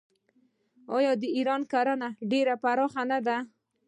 آیا د ایران کرنه ډیره پراخه نه ده؟